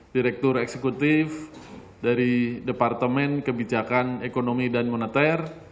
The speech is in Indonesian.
direktur eksekutif dari departemen kebijakan ekonomi dan moneter